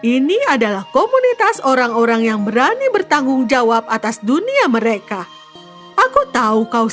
ini adalah komunitas orang orang yang berani bertanggung jawab atas dunia mereka aku tahu kau